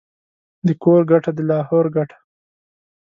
د کور گټه ، دلاهور گټه.